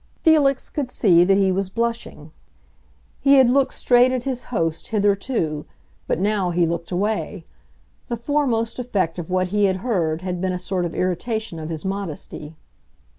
Felix could see that he was blushing; he had looked straight at his host hitherto, but now he looked away. The foremost effect of what he had heard had been a sort of irritation of his modesty.